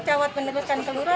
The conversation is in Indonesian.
cawat meneruskan ke lura